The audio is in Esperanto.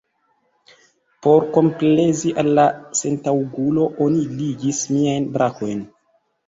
Por komplezi al la sentaŭgulo, oni ligis miajn brakojn.